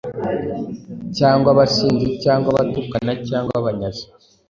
cyangwa abasinzi, cyangwa abatukana, cyangwa abanyazi;